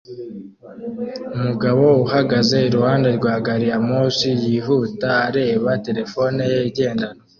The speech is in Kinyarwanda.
Umugabo uhagaze iruhande rwa gari ya moshi yihuta areba terefone ye igendanwa